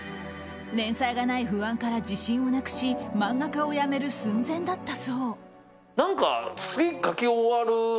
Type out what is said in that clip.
連載がない不安から自信をなくし漫画家を辞める寸前だったそう。